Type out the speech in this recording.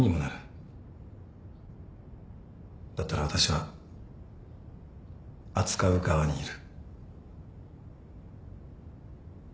だったら私は扱う側にいる。